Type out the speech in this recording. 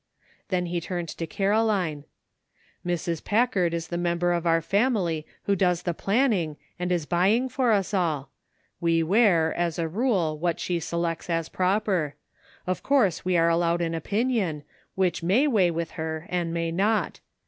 Then he turned to Caroline. "Mrs. Packard is the member of our family who does the planning and the buying for us all. We wear, as a rule, what she selects as proper. Of course we are allowed an opinion, which may weigh with her and may not.